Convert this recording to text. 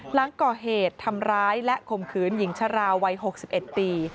หลังก่อเหตุทำร้ายและข่มขืนหญิงชราวัย๖๑ปี